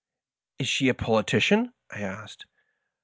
*^ Is she a politician ?" I asked.